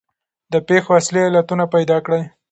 د پېښو اصلي علتونه پیدا کړئ.